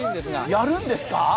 やるんですか？